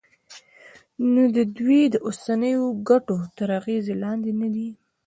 نو دوی د اوسنیو ګټو تر اغېز لاندې ندي.